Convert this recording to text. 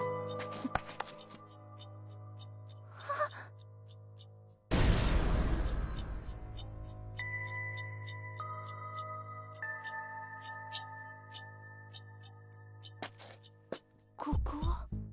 あっここは？